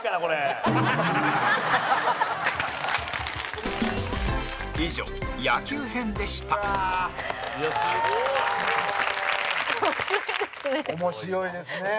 蛍原：面白いですね。